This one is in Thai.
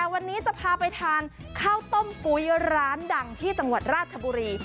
วันนี้จะพาไปทานข้าวต้มกุ้ยร้านดังที่จังหวัดราชบุรี